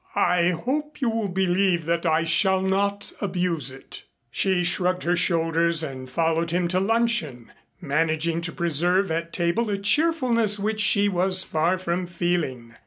"I hope you will believe that I shall not abuse it." She shrugged her shoulders and followed him to luncheon, managing to preserve at table a cheerfulness which she was far from feeling.